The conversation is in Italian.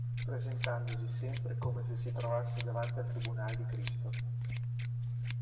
Presentandosi sempre come se si trovasse davanti al tribunale di Cristo.